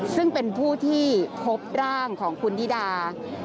ซึ่งเป็นผู้ที่พบร่างของคุณนิดา